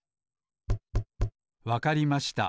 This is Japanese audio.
わかりました。